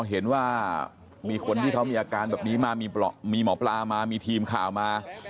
เห็นว่ามีคนที่เขามีอาการแบบนี้มามีหมอปลามามีทีมข่าวมา